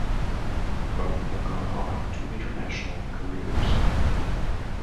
Both have gone on to international careers.